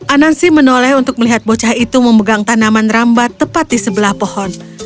anansi menoleh untuk melihat bocah itu memegang tanaman rambat tepat di sebelah pohon